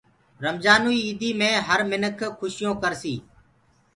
رمجآنٚوئي ايٚدي مي هر مِنک کوشيونٚ ڪرسي